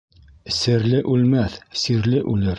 Серле үлмәҫ, сирле үлер.